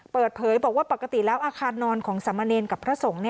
เปิดเผยบอกว่าปกติแล้วอาคารนอนของสามเณรกับพระสงฆ์